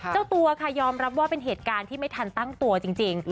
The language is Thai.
เจ้าตัวค่ะยอมรับว่าเป็นเหตุการณ์ที่ไม่ทันตั้งตัวจริง